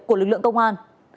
của lực lượng công an